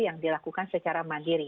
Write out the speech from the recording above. yang dilakukan secara mandiri